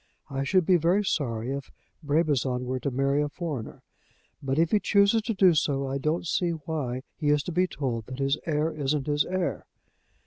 I should be very sorry if Brabazon were to marry a foreigner. But if he chooses to do so I don't see why he is to be told that his heir isn't his heir.